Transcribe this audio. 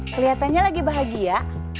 keliatannya lagi bahagia